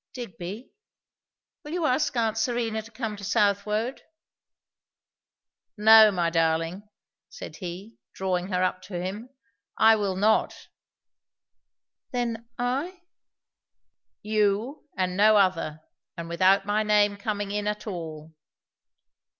"Digby will you ask aunt Serena to come to Southwode?" "No, my darling," said he, drawing her up to him; "I will not." "Then I?" "You, and no other. And without my name coming in at all."